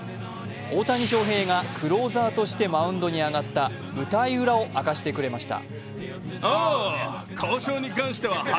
大谷翔平がクローザーとしてマウンドに上がった舞台裏を明かしてくれました。